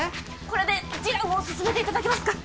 これで示談を進めていただけますか？